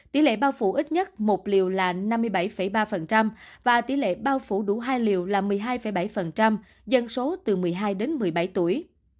tỷ lệ bao phủ ít nhất một liều là năm mươi bảy ba và tỷ lệ bao phủ đủ hai liều là một mươi hai bảy dân số từ một mươi hai đến một mươi bảy tuổi